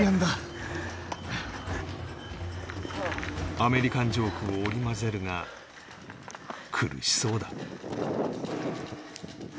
アメリカンジョークを織り交ぜるが苦しそうだ